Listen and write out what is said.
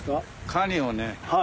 カニをね。